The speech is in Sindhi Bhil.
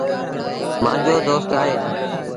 مآݩجو دوست اهي۔